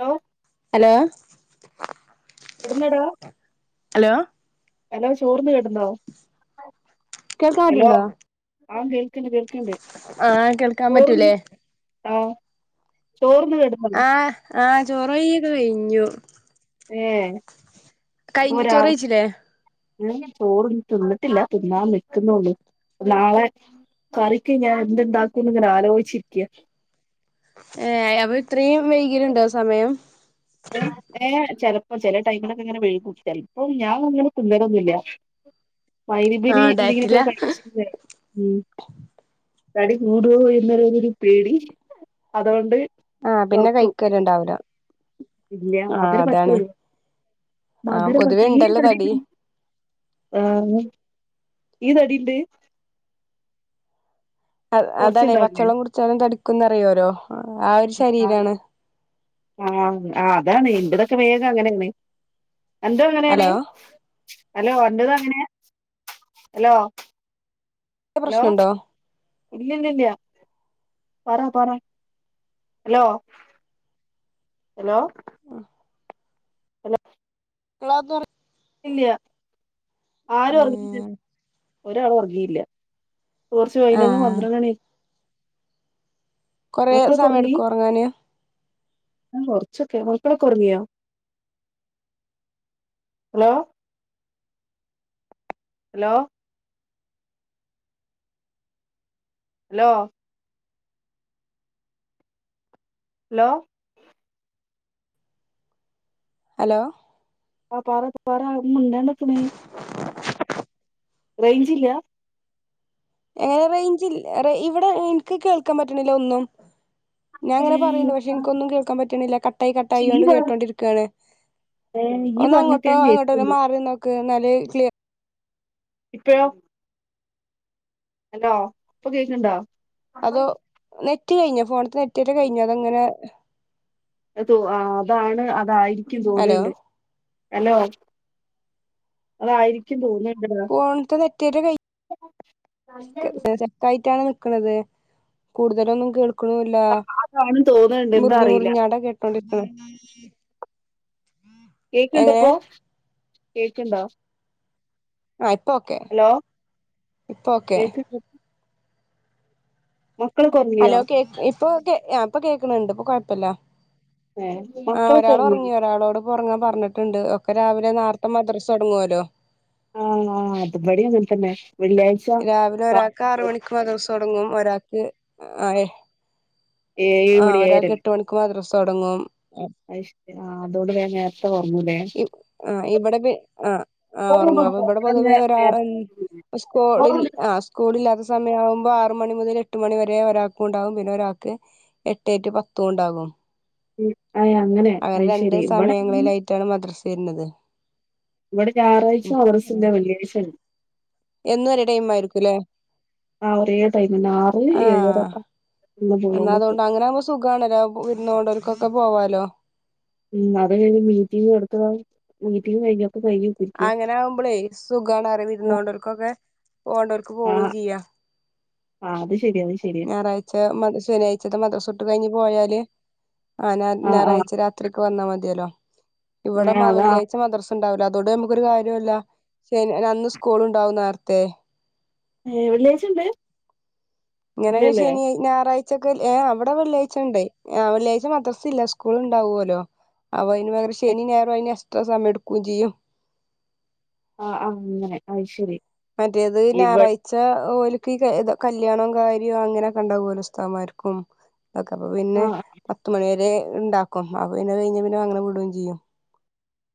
Hello hello കെടന്നോടാ hello എല്ലാരും ചോർ തിന്ന് കെടന്നോ കേൾക്കാൻപറ്റ്ണ്ടോ ആഹ് കേൾക്ക്ണ്ട് കേൾ ആഹ് കേൾക്കാൻ പറ്റൂലേ ആ ചോറ്ന്ന് കിടന്നള്ളൂ ചോർവെയി ഒക്കെ കഴിഞ്ഞു. ഏ കഴിഞ്ഞ് ചോറെയ്ച്ചിലേ? ചോറും തിന്നിട്ടില്ല തിന്നാൻ നിൽക്കുന്നുള്ളൂ നാളെ കറിക്ക് ഞൻ എന്തെന്താക്കുംന്ന് ഇങ്ങനെ ആലോചിച്ചിരിക്കയാ ഏ അപ്പൊ ഇത്രയും വൈകലുണ്ടോ സമയം ഏ ചിലപ്പോ ചില ടൈമിലൊക്കെ ഇങ്ങനെ വെഴി കൂട്ടിച്ചൽ ഇപ്പൊ ഞാൻ അങ്ങനെ പിന്നരൊന്നുമില്ല വൈലബനി ആഹ് ഡയറ്റില എന്തെങ്കിലുംക്കെ കഴിച്ചിട്ട് വരും തടി കൂടുവോ എന്നൊരു ഒരു പേടി അതോണ്ട് ആഹ് പിന്നെ കയിക്കല് ഇണ്ടാവൂല ഇല്യ മധുരം പറ്റൊഴിവ് [unintelligible] ആഹ് മധുരം പൊതുവേ പറ്റെ ഈ ഉണ്ടല്ലോ തടി [unintelligible] [unintelligible] ആഹ് നീ ഈ തടിണ്ട് ആ അതാണ് കൊറച്ചുണ്ടാവില്ലേ പച്ചള്ളം കുടി ച്ചാലും തടി ഉക്കുന്നറിയോരോ ആഹ് ആന്ന് ആഹ് ഇതാണ് ഇന്റെ തൊക്കെ വേഗം അങ്ങനെയാണ് രണ്ടും അങ്ങനേണ് ഹലോ ഹലോ അന്റതും അങ്ങനെയാ ഹലോ ഹലോ പ്രശ്നണ്ടോ ഇല്ല ഇല്ലില്യാ പറ പറ ഹലോ ഹലോ ഹലോ ലൊ തൊറ് ഇല്ല്യ ആരു പറഞ്ഞു ഉം ഒരാളും ഒർഗീല്ല കോറ്ച്ചു പയ്നൊന്ന് പണ്ട്രണ്ടണി കൊറെ സമയം എട്ക്കൊ ഒർങ്ങാന് ആ കൊർച്ചൊക്കെ മക്കളൊക്കെ ഒർങ്ങിയോ hello hello hello hello hello ആഹ് പറ പറ മുണ്ടാണ്ട് ഇക്ണേ റേയ്ഞ്ചില്ല ഏഹ് റേയ്ഞ്ചിൽ ഇവിടെ ഇൻക്ക് കേൾക്കാൻ പറ്റ്ണില്ല ഒന്നും ഞാൻ അങ്ങനെ ഏഹ് പറയ്ണ്ട് പക്ഷെ എനിക്ക് ഒന്നും കേൾക്കാൻ പറ്റ് കിട്ട്ണില്ല ക കട്ടായി പക്ഷെ ഈ കട്ടായിങ്ങോട്ട് കേട്ടോണ്ടിരിക്കാണ് പറഞ്ഞ ഈ ഒന്ന് പറഞ്ഞൊക്കെ അങ്ങോട്ടോ ഞാൻ അങ്ങോട്ടോ ഒന്ന് കേക്കുന്നുണ്ട് മാറി നിന്ന് നോ [unintelligible] ഇപ്പഴോ ഹലോ ഇപ്പ കേക്ണ്ടോ അതോ റ്റ് കയ്ഞ്ഞോ ഫോണ്ത്തെ നെറ്റ് യ്റ്റല് കയ്ഞ്ഞോ അതോ ഇങ്ങനെ അത് അതാണ് അതായിരിക്കും ഹലോ തോന്നുന്നുണ്ട് ഹല്ലോ അതായിരിക്കും തോന്ന് ഫോണിതെ നെറ്റത്തെ കൈ സ് റ്റെക്കായിട്ടാണ് നി ക്കണത് കൂടുതൽ ഒന്നും കേൾ ല്ല കാണും തോന്നുന്നുണ്ട് എന്താ മുറിഞ്ഞ് അറിയില്ല മുറിഞ്ഞാട കേട്ടോണ്ടി ആ കേക്കുണ്ടപ്പോ കേൾക്ക്ണ്ടാ ആഹ് ഇപ്പൊ ഓക്കെ ഇപ്പൊ ഓക്കെ കേക്ക്ണ്ടോ മക്കളൊക്കെ ഒറങ്ങിയോ ഹലോ കേ ഇപ്പൊ ഇപ്പൊ കേൾക്കെണ്ണ്ട് ഇപ്പൊ കുഴപ്പില്ല ഏ ആഹ് മക്കളൊക്കെ ഒരാൾ ഒറങ്ങിയോ ഉറങ്ങി ഒരാളോട് ഉറങ്ങാൻ പറഞ്ഞിട്ടുണ്ട് ഒക്കെ രാവിലെ നേരെത്തെ മദ്രസ തുടങ്ങുവല്ലോ ആഹ് ആഹ് അതിബടയും അങ്ങനെ തന്നെ വെള്ളിയാഴ്ച രാവിലെ ഒരാൾക്ക് ആറ് ക്ലാസ്ണ്ടാവും മണിക്ക് മാ ദിവസം തുടങ്ങും ഒരാക്ക് ആ ഏഴ് ആഹ് ഒരാൾക്ക് എട്ട് മണിക്ക് മദ്ര തുടങ്ങും അ ആ അതുകൊണ്ട് വേഗം നേരത്തെ ഉറങ്ങുലെ ഇ ആ ഇവിടെ പി ആ ആ ഒറങ്ങും അപ്പൊ കളിൽ സ്കൂള് ഇല്ലാത്ത സമയം ആവുമ്പോ ആറ മണി മുതൽ എട്ട് മണി വരെ ഒരാൾക്കും ഉണ്ടാകും പിന്നെ ഒരാൾക്ക് എട്ടേ റ്റു പത്തും ഉണ്ടാകും അ അങ്ങനെ അയ് ശരി ഇവിടെ വര്ണത് ഇവിടെ ഞായറാഴ്ചോ മദ്രസല്ല വെള്ളിയഴ്ചാണ് എന്നും ഒരേ ടൈം ആയിരിക്കുംല്ലേ ആ ഒരേ ടൈമന്നെ ആറ് ഏഴര ആഹ് എന്ന പോയോണ്ട്ക്കും അതുകൊണ്ട് അങ്ങനെവുമ്പോ സുഖണല്ലോ വിരുന്നൊണ്ടോ ക്കൊക്കെ പോവാലോ ഉം അത് കഴിഞ്ഞ് മീറ്റിങ് നടുത്ത മീറ്റിങ്ങ് കഴിഞ്ഞ അങ്ങനെ ആകുമ്പോളേ സുഖാണ് അറി വിരുന്നോണ്ടവർക്കൊക്കെ പോകണ്ടവർക്ക് പോവയും ചെയ്യാ ആ അത് ശ ഞായറാഴ്ച മ ശനിയാഴ്ച മദ്രസ ട്ട് കഴിഞ്ഞ് പോയാല് ആ ഞ ആഹ് ആഹ് ഞായറാഴ്ച രാത്രി വന്നാ മതിയല്ലോ ഇവിടെ ഏഹ് അതാ വെള്ളിയാഴ്ച മദർസ് ണ്ടാവൂല അതോണ്ട് നമുക്കൊരു കാര്യാല്ല. ശ അന്ന് സ്കൂൾ ഉണ്ടാവും നാർത്തെ. ഏ. വെള്ളിയാഴച ണ്ട്. ഇങ്ങനൊക്ക ശനി ഞായറാഴ് ഉച്ചക്ക് ഏ അവിടെ വെള്ളാഴ്ച ഉണ്ട് അ വെള്ളിയാഴ്ച മദർസ് ഇല്ല. സ്കൂൾ ഉണ്ടാവോല്ലോ. അപ്പ അയ്ന് പകരം ശനി ഞായറും അയ്ന് എക് പ്പ സമയട്ക്കും ചെയ്യും. ആ ആ. അങ്ങനെ അഹ് ശരി. മറ്റേത് ഇവ ഞായറാഴ്ച ഓൽ ക്കി കല്യാണോം കാര്യോ അങ്ങനെക്കെ ഉണ്ടാവോലൊ ഉസ്താതുമാർക്കും. ഓക്കെ. അപ്പൊ പിന്നെ ആഹ് പത്തുമണി വരെ ണ്ടാക്കും. അപ്പൊ പിന്നെ കഴിഞ്ഞ പിന്നെ അങ്ങനെ വിടും ചെയ്യും.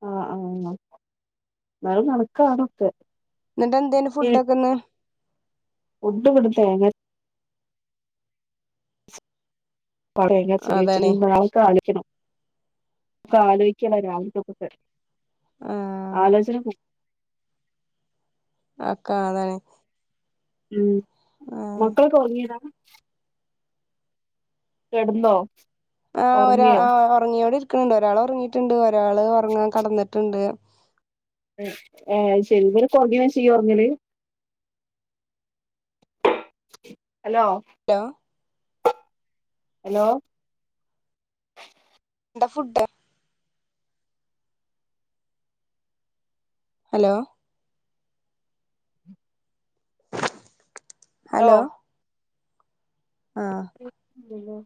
ആ. ആ. ന്നാലും കണക്കാണൊക്കെ. എന്നിട്ട് എന്തേന് ഈ ഫുഡ് ഒക്കെന്ന്. ഫുഡ് വടെ തേങ്ങര് പടവങ്ങ ച് രി ച് രി അതാണ് ണ്ടാഹ് താളിക്കണം ഒക്കെ ആലോയിക്കണം. രാവിൽത്തൊക്കെ. ആഹ് ആലൊയ്ചണം. കാളെ ഉം. മക്കളൊക്കെ ഒർങ്ങിയതാ? കെട്ന്നോ? ആ. ഒരാ.. ആ. ഒർങ്ങിയോട് ക്ക്‌ണ്ട്. ഒരാൾ ഒർങ്ങിട്ടുണ്ട്. ഒരാള് ഒർങ്ങാൻ കട്ന്ന്ട്ട്ണ്ട്. ഏ. അഹ് ശരി. ഇവരൊക്കെ ഒർങ്ങീനേഷ ഇയ്യ് ഒർങ്ങല്? ഹലോ. Hello hello. എന്ത ഫുഡ്. ഹലോ. അലോ. ആഹ്. അലോ.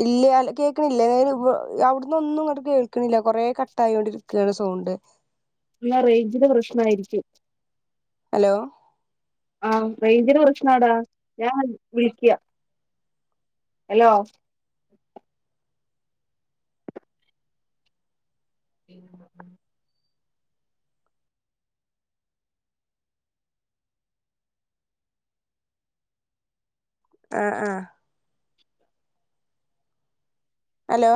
ഇല്ല കേൾക്കണില്ലേ എ വ അവിടന്ന് ഒന്നും ഇങ്ങോട്ട് കേൾക്കണില്ല കൊറെേ കട്ട ആയോ ണ്ടിരിക്കാണ് സോണ്ട് ന്ന റേഞ്ചില് പ്രശ്നായിരിക്കും ഹലോ ആഹ് റേഞ്ചിന് പ്രശ്നാടാ ഞാൻ വിളിക്ക്യ ഹലോ മ് മ് ആഹ ആ ഹലോ